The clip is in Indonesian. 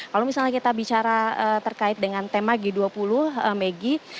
kalau misalnya kita bicara terkait dengan tema g dua puluh megi